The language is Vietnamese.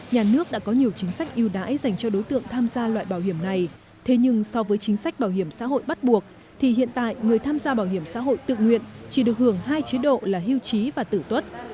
nhà nước đã có nhiều chính sách yêu đãi dành cho đối tượng tham gia loại bảo hiểm này thế nhưng so với chính sách bảo hiểm xã hội bắt buộc